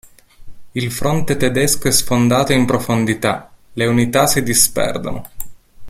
Il fronte tedesco è sfondato in profondità, le unità si disperdono.